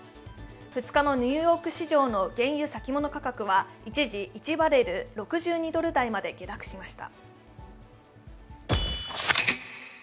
２日のニューヨーク市場の原油先物価格は一時１バレル＝６２ドル台まで下落しました。